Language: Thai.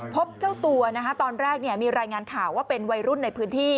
พบเจ้าตัวตอนแรกมีรายงานข่าวว่าเป็นวัยรุ่นในพื้นที่